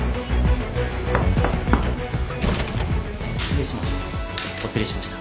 ・・失礼します。